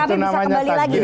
itu namanya tanggir